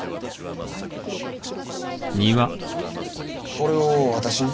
これを私に？